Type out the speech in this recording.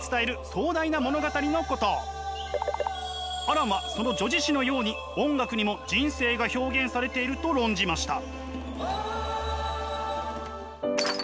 アランはその叙事詩のように音楽にも人生が表現されていると論じました。